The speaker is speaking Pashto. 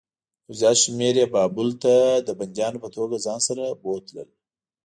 یو زیات شمېر یې بابل ته د بندیانو په توګه ځان سره بوتلل.